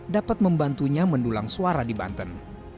dapat membantunya mendulang suara di banten